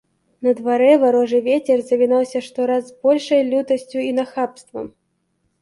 На дварэ варожы вецер завінаўся штораз з большай лютасцю і нахабствам.